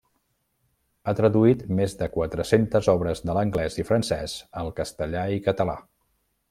Ha traduït més de quatre-centes obres de l'anglès i francès al castellà i català.